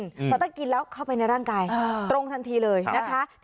เพราะถ้ากินแล้วเข้าไปในร่างกายตรงทันทีเลยนะคะ